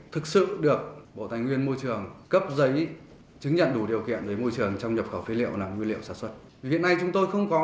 kể cả lò kể cả bóng kể cả các loại không biết nó là ai không ạ